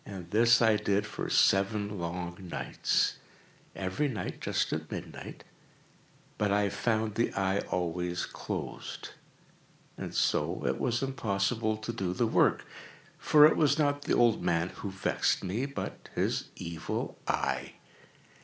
And this I did for seven long nights—every night just at midnight—but I found the eye always closed; and so it was impossible to do the work; for it was not the old man who vexed me, but his Evil Eye.